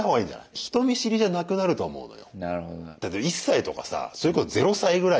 人見知りじゃなくなると思うのよ。